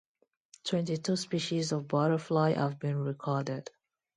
Twenty two species of butterfly have been recorded.